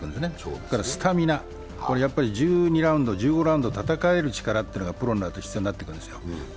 それからスタミナ、１２ラウンド、１５ラウンド戦える力がプロになると必要になってくるんですよ。